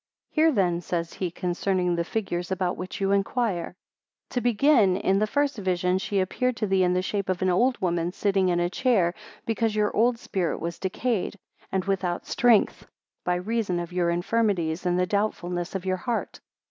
118 Hear then, says he, concerning the figures about which you inquire. 119 To begin; in the first vision she appeared to thee in the shape of an old woman sitting in, a chair, because your old spirit was decayed, and without strength, by reason of your infirmities, and the doubtfulness of your heart.